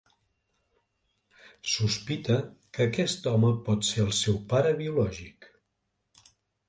Sospita que aquest home pot ser el seu pare biològic.